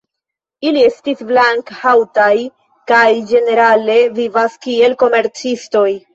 Ili estas blank-haŭtaj kaj ĝenerale vivas kiel komercistoj.